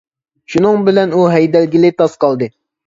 شۇنىڭ بىلەن ئۇ ھەيدەلگىلى تاس قالدى.